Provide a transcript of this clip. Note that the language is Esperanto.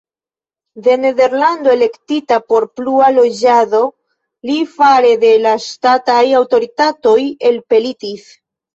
De Nederlando elektita por plua loĝado li fare de la ŝtataj aŭtoritatoj elpelitis.